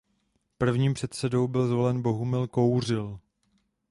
Prvním předsedou byl zvolen Bohumil Kouřil.